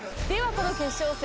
この決勝戦